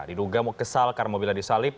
diduga kesal karena mobilnya disalip